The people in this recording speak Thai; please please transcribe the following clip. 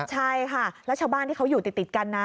ใช่ค่ะแล้วชาวบ้านที่เขาอยู่ติดกันนะ